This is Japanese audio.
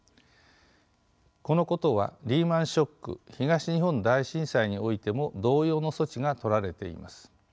このことはリーマンショック東日本大震災においても同様の措置がとられています。